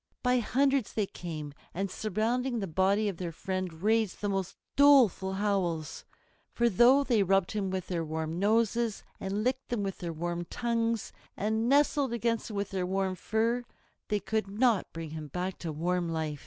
By hundreds they came, and surrounding the body of their friend raised the most doleful howls. For, though they rubbed him with their warm noses, and licked him with their warm tongues, and nestled against him with their warm fur, they could not bring him back to warm life.